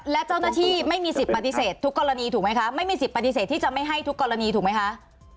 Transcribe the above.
และเจ้าหน้าที่ไม่มีสิทธิ์ปฏิเสธทุกกรณีถูกไหมคะไม่มีสิทธิปฏิเสธที่จะไม่ให้ทุกกรณีถูกไหมคะ